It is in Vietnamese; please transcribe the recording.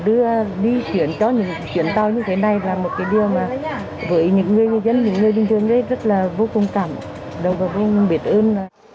và đưa đi chuyển cho những chuyển tàu như thế này là một cái điều mà với những người dân những người bình thường đấy rất là vô công cảm đồng hồ không biết ơn